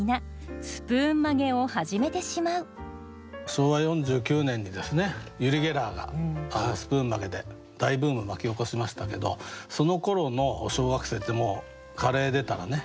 昭和４９年にユリ・ゲラーがスプーン曲げで大ブーム巻き起こしましたけどそのころの小学生ってもうカレー出たらね